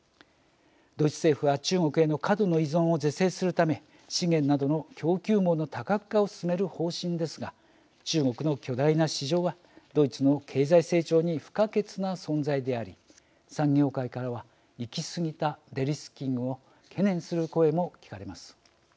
ドイツ政府は中国への過度の依存を是正するため資源などの供給網の多角化を進める方針ですが中国の巨大な市場はドイツの経済成長に不可欠な存在であり産業界からは行き過ぎたデリスキングを懸念する声も聞かれます。